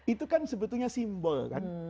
itu kan sebetulnya simbol kan